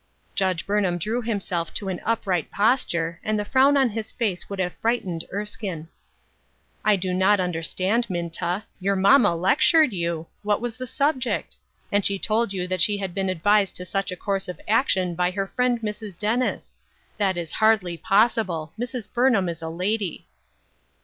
Judge Burnham drew himself to an upright post ure, and the frown on his face would have fright ened Erskine. " I do not understand, Minta ; your mamma lect ured you ! What was the subject ? And she told you that she had been advised to such a course of "forewarned" and "forearmed." 55 action by her friend Mrs. Dennis ! That is hardly possible ; Mrs. Burnham is a lady